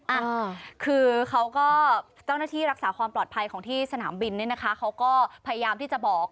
อ่าคือเขาก็เจ้าหน้าที่รักษาความปลอดภัยของที่สนามบินเนี่ยนะคะเขาก็พยายามที่จะบอก